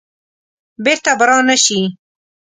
بیرته به را نه شي.